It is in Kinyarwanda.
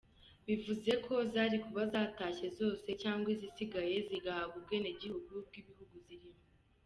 Bivuze ko zari kuba zatashye zose cyangwa izisigaye zigahabwa ubwenegihugu bw’ibihugu zirimo.